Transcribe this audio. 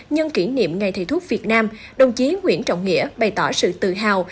nhân kỷ niệm ngày thầy thuốc việt nam đồng chí nguyễn trọng nghĩa bày tỏ sự tự hào